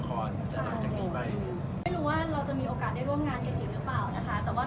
ก็จะออกไปตามคอลเซ็ปของวิทยาศาสตร์